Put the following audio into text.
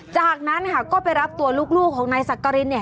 จากนั้นค่ะก็ไปรับตัวลูกของนายสักกรินเนี่ย